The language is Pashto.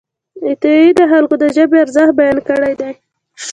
عطايي د خلکو د ژبې ارزښت بیان کړی دی.